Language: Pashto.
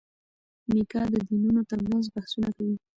میکا د دینونو ترمنځ بحثونه کوي.